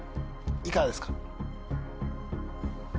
いかがですか？